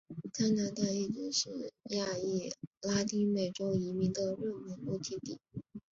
加拿大一直是亚裔拉丁美洲移民的热门目的地。